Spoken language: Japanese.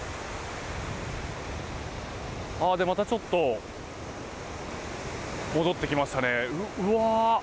またちょっと戻ってきましたね。